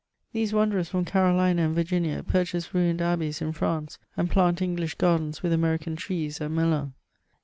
These wanaerers from Carolina and Virginia purchase ruined abbeys in France, and plant English gardens with American trees at Melun.